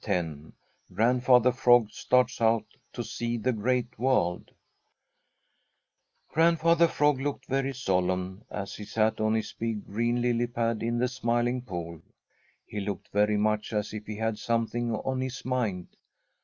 X GRANDFATHER FROG STARTS OUT TO SEE THE GREAT WORLD Grandfather Frog looked very solemn as he sat on his big green lily pad in the Smiling Pool. He looked very much as if he had something on his mind.